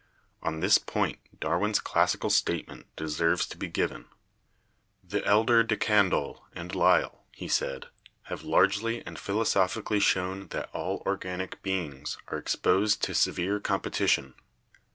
On this point Dar win's classical statement deserves to be given. "The elder De Candolle and Lyell," he said, "have largely and philo sophically shown that all organic beings are exposed to severe competition.